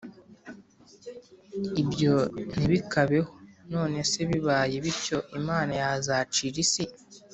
Ibyo ntibikabeho None se bibaye bityo Imana yazacira isi